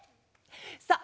さあ